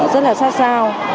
rất là sát sao